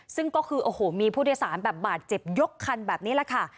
ซึ่งก็คือโอ้โหมีผู้โดยสารแบบบาดเจ็บยกคันแบบนี้แหละค่ะ